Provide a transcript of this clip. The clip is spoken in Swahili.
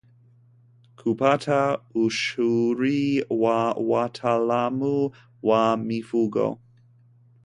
Kupata ushauri wa wataalamu wa mifugo